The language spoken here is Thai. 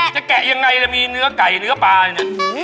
จะแกะยังไงละเครื่อนเห็นมีเนื้อไก่เนื้อปลายังไง